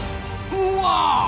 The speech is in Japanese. うわ！